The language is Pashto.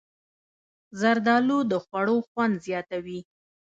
زردالو د خوړو خوند زیاتوي.